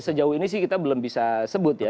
sejauh ini sih kita belum bisa sebut ya